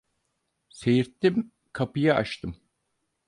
Seğirttim, kapıyı açtım.